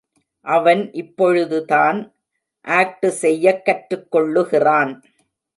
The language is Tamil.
அவன் இப்பொழுதுதான் ஆக்டு செய்யக் கற்றுக்கொள்ளுகிறான்.